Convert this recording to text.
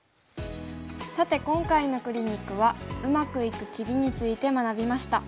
さて今回のクリニックはうまくいく切りについて学びました。